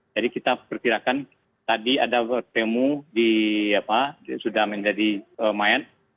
jadi kita perkirakan tadi ada bertemu sudah menjadi mayat